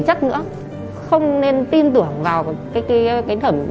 thì cái khoản tiền bảo hiểm